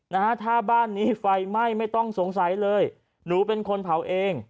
นะฮะถ้าบ้านนี้ไฟไหม้ไม่ต้องสงสัยเลยหนูเป็นคนเผาเอง